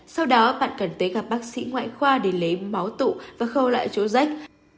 sau đó bạn cần tới gặp bác sĩ ngoại khoa để lấy máu tụ và khâu lại chỗ rách